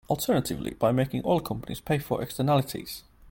Alternatively, by making oil companies pay for externalities.